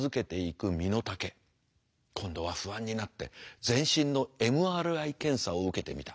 今度は不安になって全身のＭＲＩ検査を受けてみた。